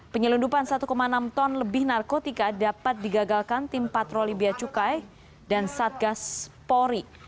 penyelundupan satu enam ton lebih narkotika dapat digagalkan tim patroli beacukai dan satgas pori